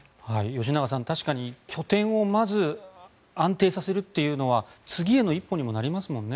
吉永さん、確かに拠点をまず安定させるというのは次への一歩にもなりますもんね。